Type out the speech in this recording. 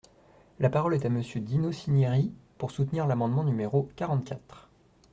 La parole est à Monsieur Dino Cinieri, pour soutenir l’amendement numéro quarante-quatre.